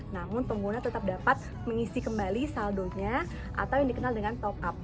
namun pengguna tetap dapat mengisi kembali saldonya atau yang dikenal dengan top up